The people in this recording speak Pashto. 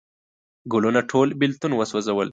ګلونه ټول بیلتون وسوزل